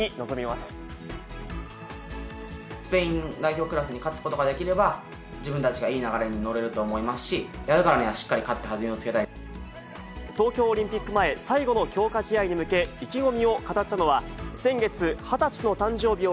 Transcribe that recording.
スペイン代表クラスに勝つことができれば、自分たちがいい流れに乗れると思いますし、やるからにはしっかり東京オリンピック前、最後の強化試合に向け、意気込みを語ったのは、先月、２０歳の誕生日を